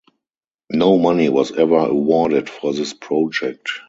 No money was ever awarded for this project.